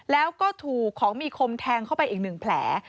แล้วก็ถูกของมีคมแทงเข้าไปอีก๑แผล